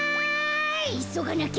いそがなきゃ。